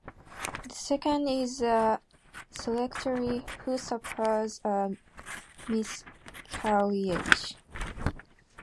The second is a secretary who suffers a miscarriage.